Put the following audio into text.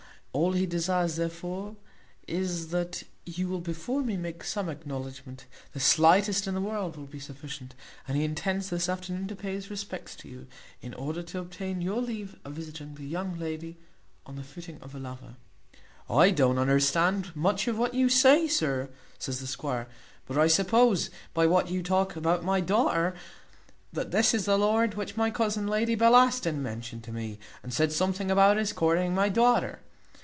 All he desires, therefore, is, that you will before me make some acknowledgment; the slightest in the world will be sufficient; and he intends this afternoon to pay his respects to you, in order to obtain your leave of visiting the young lady on the footing of a lover." "I don't understand much of what you say, sir," said the squire; "but I suppose, by what you talk about my daughter, that this is the lord which my cousin, Lady Bellaston, mentioned to me, and said something about his courting my daughter.